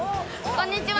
こんにちは。